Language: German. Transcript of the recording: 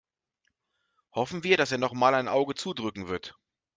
Hoffen wir, dass er nochmal ein Auge zudrücken wird.